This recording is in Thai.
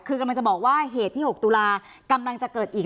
คือกำลังจะบอกว่าเหตุที่๖ตุลากำลังจะเกิดอีก